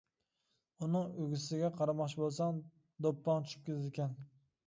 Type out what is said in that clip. ئۇنىڭ ئۆگزىسىگە قارىماقچى بولساڭ دوپپاڭ چۈشۈپ كېتىدىكەن.